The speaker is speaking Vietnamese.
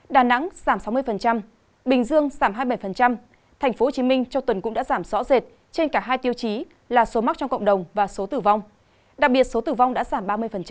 đà nẵng giảm sáu mươi bình dương giảm hai mươi bảy tp hcm trong tuần cũng đã giảm rõ rệt trên cả hai tiêu chí là số mắc trong cộng đồng và số tử vong đặc biệt số tử vong đã giảm ba mươi